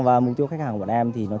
và mục tiêu khách hàng của bọn em